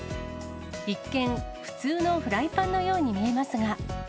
一見、普通のフライパンのように見えますが。